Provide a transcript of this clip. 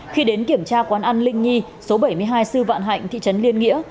khi đến kiểm tra quán ăn linh nhi số bảy mươi hai sư vạn hạnh thị trấn liên nghĩa